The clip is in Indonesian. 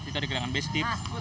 itu ada gerakan base dip